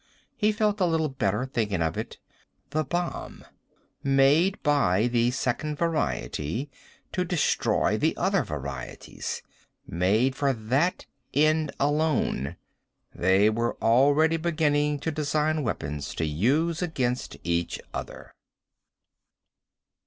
He felt a little better, thinking about it. The bomb. Made by the Second Variety to destroy the other varieties. Made for that end alone. They were already beginning to design weapons to use against each other.